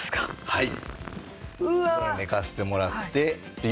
はい。